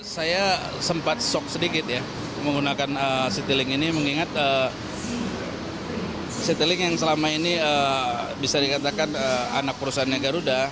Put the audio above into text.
saya sempat shock sedikit ya menggunakan citylink ini mengingat citylink yang selama ini bisa dikatakan anak perusahaannya garuda